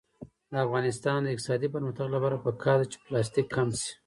د افغانستان د اقتصادي پرمختګ لپاره پکار ده چې پلاستیک کم شي.